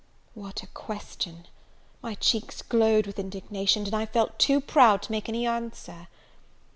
What a question! my cheeks glowed with indignation, and I felt too proud to make any answer.